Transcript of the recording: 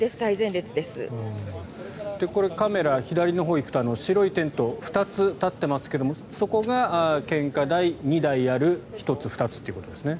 これ、カメラ左のほうに行くと白いテントが２つ立っていますがそこが献花台２台ある１つ、２つということですね。